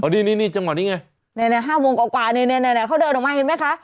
อยู่นี่จังหวะนี้ไง๕วงกว่าในนั้นเขาเดินออกมาเห็นไม่คะ